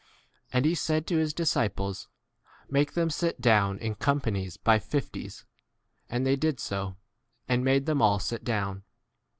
And he said to his disciples, Make them sit 15 down in companies by fifties. And they did so, and made them all 16 sit down.